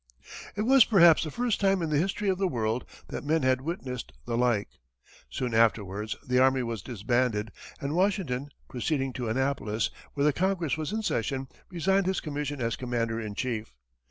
It was perhaps the first time in the history of the world that men had witnessed the like. Soon afterwards, the army was disbanded, and Washington, proceeding to Annapolis, where the Congress was in session, resigned his commission as commander in chief.